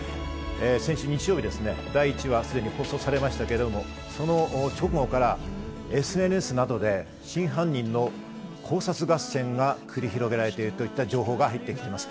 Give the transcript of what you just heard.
先週日曜日ですね、第１話がすでに放送されましたけれども、その直後からＳＮＳなどで真犯人の考察合戦が繰り広げられているといった情報が入ってきました。